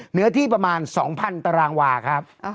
เนื้อที่ประมาณ๒๐๐ตารางวาครับ